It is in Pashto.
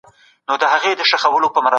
آيا انسان خپل ذهن له موجوداتو سره پرتله کوي؟